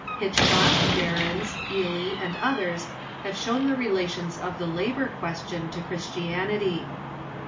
Hitchcock, Behrends, Ely, and others have shown the relations of the Labor question to Christianity.